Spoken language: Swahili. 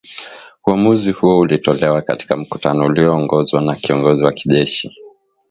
uamuzi huo ulitolewa katika mkutano ulioongozwa na kiongozi wa kijeshi